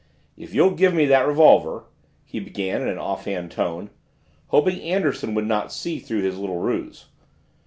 "If you'll give me that revolver " he began in an offhand tone, hoping Anderson would not see through his little ruse.